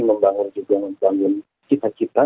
membangun juga membangun cita cita